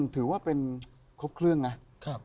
ถือว่าเป็นครบเครื่องนะ